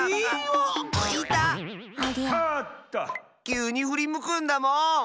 きゅうにふりむくんだもん！